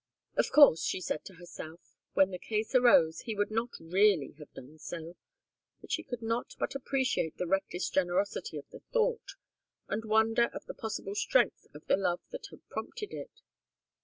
Of course, she said to herself, when the case arose he would not really have done so, but she could not but appreciate the reckless generosity of the thought, and wonder at the possible strength of the love that had prompted it.